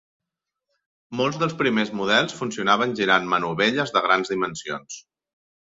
Molts dels primers models funcionaven girant manovelles de grans dimensions.